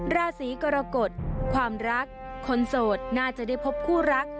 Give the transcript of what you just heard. ราศีกรกฎความรักคนโสดน่าจะได้พบคู่รัก